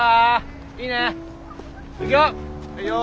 いくよ！